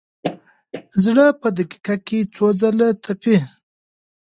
زړه په دقیقه کې څو ځله تپي.